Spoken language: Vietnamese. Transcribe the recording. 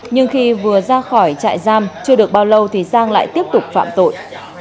nhưng khi vừa ra khỏi trại giam chưa được bao lâu thì giang lại tiếp tục phạm tội